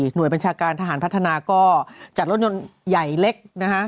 บัญชาการทหารพัฒนาก็จัดรถยนต์ใหญ่เล็กนะคะ